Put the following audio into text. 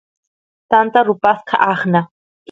tanta rupasqa aqnan